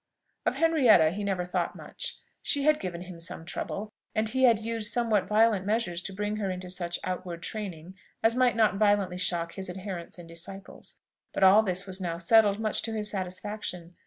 Of Henrietta he never thought much. She had given him some trouble, and he had used somewhat violent measures to bring her into such outward training as might not violently shock his adherents and disciples. But all this was now settled much to his satisfaction.